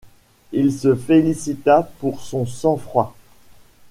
Il se félicita pour son sang-froid.